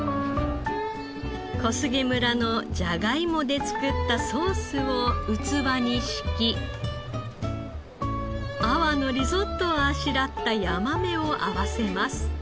小菅村のジャガイモで作ったソースを器に敷きアワのリゾットをあしらったヤマメを合わせます。